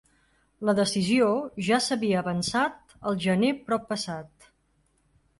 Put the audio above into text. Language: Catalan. La decisió ja s’havia avançat al gener proppassat.